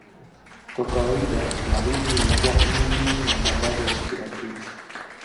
Kwa kawaida Malindi umekuwa mji na bandari ya kirafiki